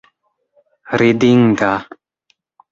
ridinda